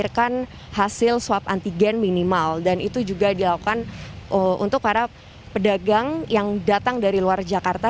kita akan hasil swab antigen minimal dan itu juga dilakukan untuk para pedagang yang datang dari luar jakarta